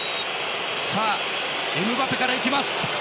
エムバペから行きます。